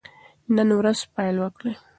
نن ورځ پیل وکړئ.